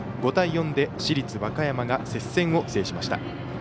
５対４で市立和歌山が接戦を制しました。